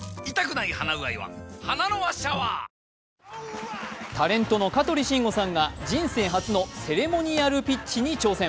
わかるぞタレントの香取慎吾さんが人生初のセレモニアルピッチに挑戦。